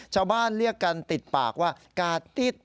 ชาวบ้านเรียกกันติดปากว่ากาดติด